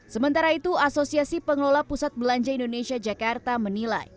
sementara itu asosiasi pengelola pusat belanja indonesia jakarta menilai